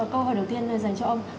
câu hỏi đầu tiên dành cho ông